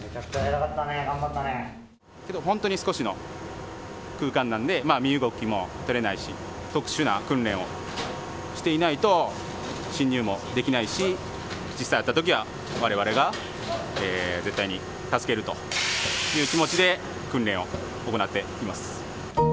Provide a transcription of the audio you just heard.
けど、本当に少しの空間なんで、身動きも取れないし、特殊な訓練をしていないと、進入もできないし、実際あったときは、われわれが絶対に助けるという気持ちで訓練を行っています。